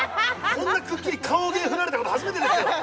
こんなくっきり顔芸振られたこと初めてですよ